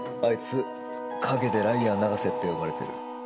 あいつ陰でライアー永瀬って呼ばれてる。